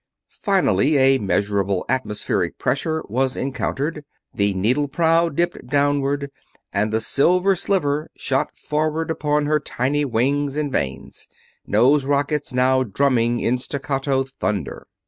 Finally a measurable atmospheric pressure was encountered, the needle prow dipped downward, and the Silver Sliver shot forward upon her tiny wings and vanes, nose rockets now drumming in staccato thunder.